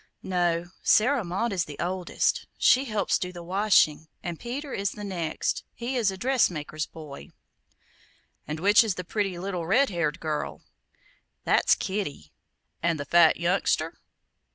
"No; Sarah Maud is the oldest she helps do the washing; and Peter is the next. He is a dressmaker's boy." "And which is the pretty little red haired girl?" "That's Kitty." "And the fat youngster?"